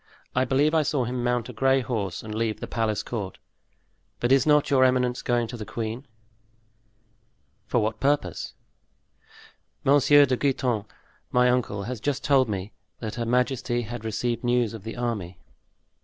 I believe I saw him mount a gray horse and leave the palace court. But is not your eminence going to the queen?" "For what purpose?" "Monsieur de Guitant, my uncle, has just told me that her majesty had received news of the army."